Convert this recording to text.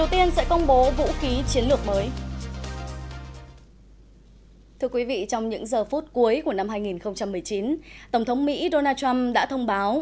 trong những giờ phút cuối của năm hai nghìn một mươi chín tổng thống mỹ donald trump đã thông báo